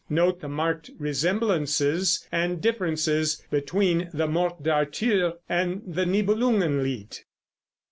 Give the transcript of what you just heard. Note the marked resemblances and differences between the Morte d'Arthur and the Nibelungen Lied.